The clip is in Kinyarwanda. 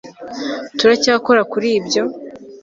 turacyakora kuri ibyo